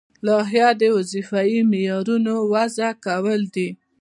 لایحه د وظیفوي معیارونو وضع کول دي.